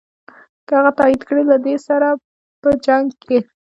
که هغه تایید کړې له دې بل سره په جنګ یې.